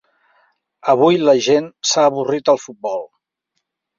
Avui la gent s'ha avorrit al futbol.